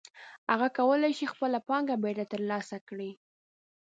هغه کولی شي خپله پانګه بېرته ترلاسه کړي